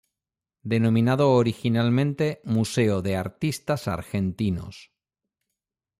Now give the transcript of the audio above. Denominado originalmente Museo de Artistas Argentinos.